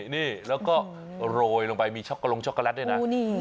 นี่แล้วก็โรลลงไปมีช็อคโกแลตด้วยนะ